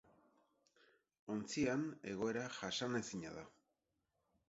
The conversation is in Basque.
Ontzian egoera jasanezina da.